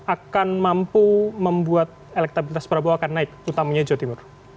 akan mampu membuat elektabilitas prabowo akan naik utamanya jawa timur